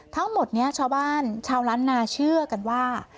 ทั้งหมดนี้ชาวบ้านชาวล้านนาเชื่อกันว่า